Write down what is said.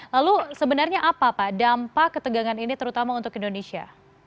lalu sebenarnya apa pak dampak ketegangan ini terutama untuk indonesia